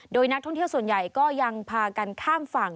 โดยนักท่องเที่ยวส่วนใหญ่ก็ยังพากันข้ามฝั่ง